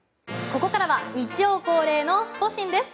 ここからは日曜恒例のスポ神です。